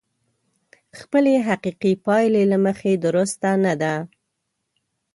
خپلې حقيقي پايلې له مخې درسته نه ده.